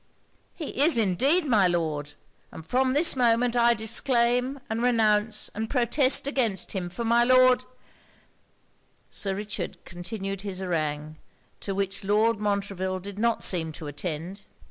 'He is indeed, my Lord! and from this moment I disclaim, and renounce and protest against him; for my Lord ' Sir Richard continued his harangue, to which Lord Montreville did not seem to attend.